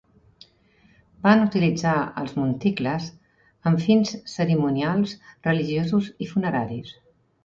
Van utilitzar els monticles amb fins cerimonials, religiosos i funeraris.